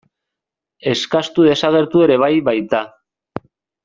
Eskastu desagertu ere bai baita.